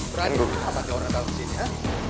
berani ngapa ngapa di orang tau disini ya